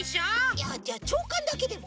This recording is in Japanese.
いやじゃあちょうかんだけでも。